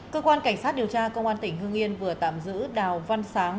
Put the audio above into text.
cơ quan cảnh sát điều tra công an tỉnh hương yên vừa tạm giữ đào văn sáng